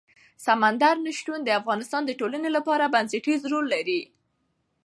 سمندر نه شتون د افغانستان د ټولنې لپاره بنسټيز رول لري.